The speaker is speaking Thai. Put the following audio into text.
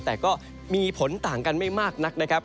แต่ก็มีผลต่างกันไม่มากนักนะครับ